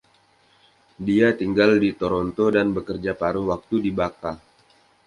Dia tinggal di Toronto dan bekerja paruh waktu di Bakka.